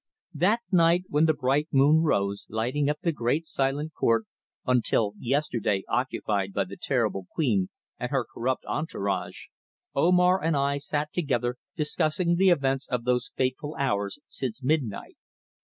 That night, when the bright moon rose, lighting up the great silent court, until yesterday occupied by the terrible queen and her corrupt entourage, Omar and I sat together discussing the events of those fateful hours since midnight.